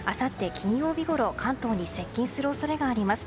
金曜日ごろ関東に接近する恐れがあります。